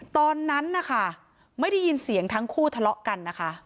ตอนนั้นไม่ได้ยินเสียงทั้งคู่ทะเลาะกัน